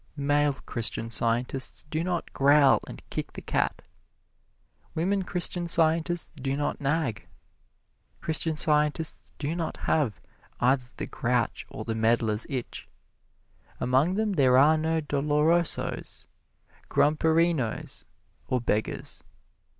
Male Christian Scientists do not growl and kick the cat. Women Christian Scientists do not nag. Christian Scientists do not have either the grouch or the meddler's itch. Among them there are no dolorosos, grumperinos or beggars.